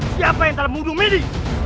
siapa yang tak muduh midi